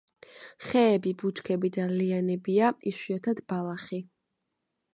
ხეები, ბუჩქები და ლიანებია, იშვიათად ბალახი.